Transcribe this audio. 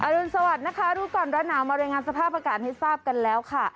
รุนสวัสดิ์นะคะรู้ก่อนร้อนหนาวมารายงานสภาพอากาศให้ทราบกันแล้วค่ะ